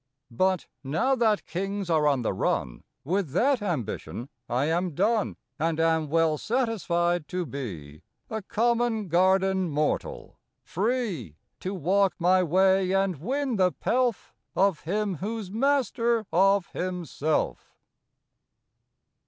But, now that Kings are on the run, With that ambition I am done, And am well satisfied to be A common garden mortal, free To walk my way and win the pelf Of him who s Master of Himself.